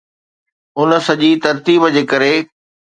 ان سڄي ترتيب جي ڪري